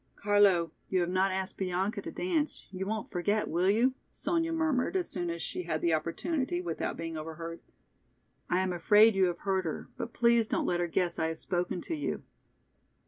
"Carlo, you have not asked Bianca to dance, you won't forget, will you?" Sonya murmured as soon as she had the opportunity without being overheard. "I am afraid you have hurt her, but please don't let her guess I have spoken to you."